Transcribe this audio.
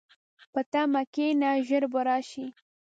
په تمه کښېنه، ژر به راشي.